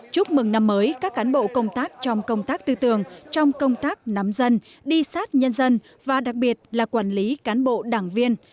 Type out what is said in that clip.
chúc mừng năm mới các cán bộ công tác trong công tác tư tường trong công tác nắm dân đi sát nhân dân và đặc biệt là quản lý cán bộ đảng viên